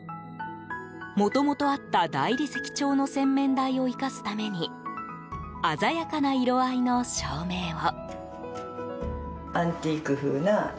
もともとあった大理石調の洗面台を生かすために鮮やかな色合いの照明を。